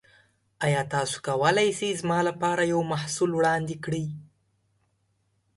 ایا تاسو کولی شئ زما لپاره یو محصول وړاندیز کړئ؟